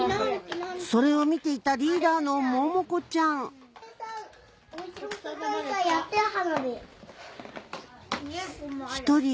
それを見ていたリーダーの萌々子ちゃん１人